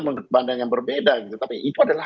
menurut pandang yang berbeda tapi itu adalah